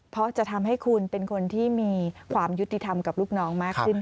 เพราะจะทำให้คุณเป็นคนที่มีความยุติธรรมกับลูกน้องมากขึ้น